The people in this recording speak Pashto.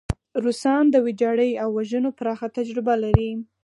روسان د ویجاړۍ او وژنو پراخه تجربه لري.